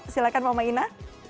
silahkan mama ina